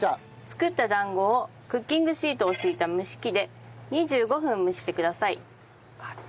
作った団子をクッキングシートを敷いた蒸し器で２５分蒸してください。